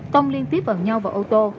tông liên tiếp vận nhau vào ô tô